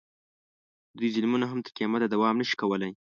د دوی ظلمونه هم تر قیامته دوام نه شي کولی.